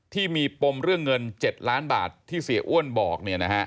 ที่มีปมเรื่องเงิน๗ล้านบาทที่เสียอ้วนบอก